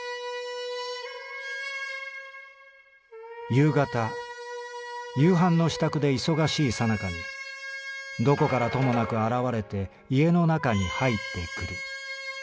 「夕方夕飯の支度で忙しいさなかにどこからともなく現れて家の中に入ってくる。